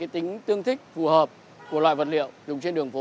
tính tương thích phù hợp của loại vật liệu